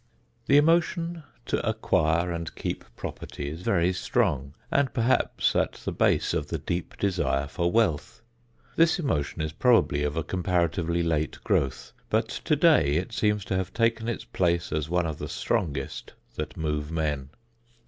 The emotion to acquire and keep property is very strong and perhaps at the base of the deep desire for wealth. This emotion is probably of a comparatively late growth, but today it seems to have taken its place as one of the strongest that move men.